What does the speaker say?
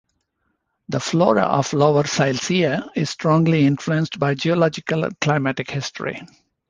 The flora of Lower Silesia is strongly influenced by geological and climatic history.